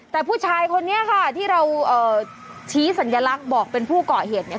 แต่ผู้ชายคนนี้ค่ะที่เราชี้สัญลักษณ์บอกเป็นผู้เกาะเหตุเนี่ย